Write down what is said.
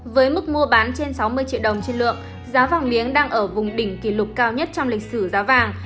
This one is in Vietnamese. với mức mua bán trên sáu mươi triệu đồng trên lượng giá vàng miếng đang ở vùng đỉnh kỷ lục cao nhất trong lịch sử giá vàng